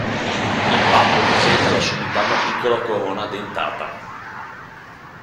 Il pappo presenta alla sommità una piccola corona dentata.